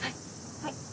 はい。